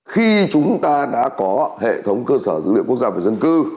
khi chúng ta đã có hệ thống cơ sở dữ liệu quốc gia về dân cư